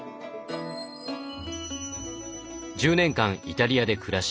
１０年間イタリアで暮らし